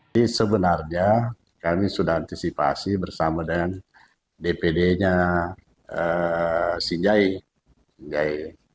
ini sebenarnya kami sudah antisipasi bersama dengan dpd nya sinjai